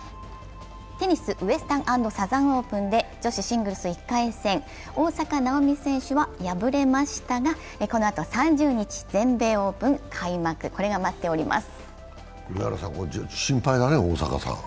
テニスウエスタン・アンド・サザン・オープンで女子シングルス１回戦、大坂なおみ選手は敗れましたが、敗れましたがこのあと３０日全米オープン心配だね、大坂さん。